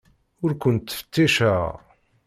Ur kent-ttfetticeɣ.